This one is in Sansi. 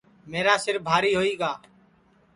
میرا سِر بھاری ہوئی گا